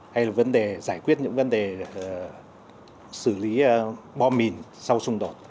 hay là giải quyết những vấn đề xử lý bom mìn sau xung đột